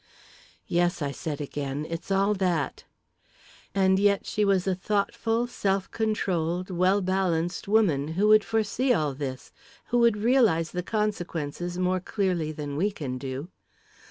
"Yes," I said again; "it's all that." "And yet she was a thoughtful, self controlled, well balanced woman, who would foresee all this who would realise the consequences more clearly than we can do.